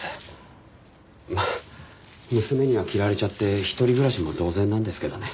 まあ娘には嫌われちゃって一人暮らしも同然なんですけどね。